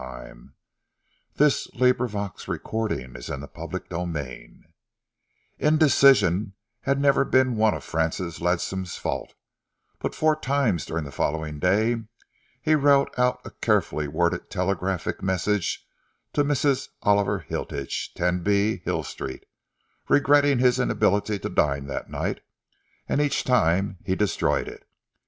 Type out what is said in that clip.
Wilmore grumbled. "No, remorse," was the terse reply. CHAPTER V Indecision had never been one of Francis Ledsam's faults, but four times during the following day he wrote out a carefully worded telegraphic message to Mrs. Oliver Hilditch, 10 b, Hill Street, regretting his inability to dine that night, and each time he destroyed it.